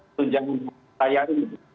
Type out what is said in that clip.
tujangan hari raya ini